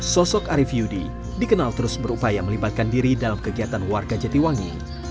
sosok arief yudi dikenal terus berupaya melibatkan diri dalam kegiatan warga jatiwangi